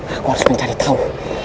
aku harus mencari tahu